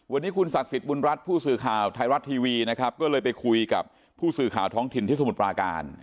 วันนี้คุณศักดิ์สิทธิบุญรัฐผู้สื่อข่าวไทยรัฐทีวีนะครับก็เลยไปคุยกับผู้สื่อข่าวท้องถิ่นที่สมุทรปราการ